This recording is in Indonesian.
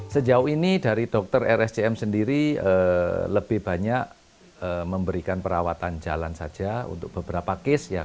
sejauh ini dari dokter rsjm sendiri lebih banyak memberikan perawatan jalan saja untuk beberapa case